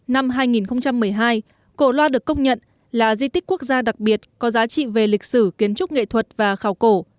năm hai nghìn một mươi hai cổ loa được công nhận là di tích quốc gia đặc biệt có giá trị về lịch sử kiến trúc nghệ thuật và khảo cổ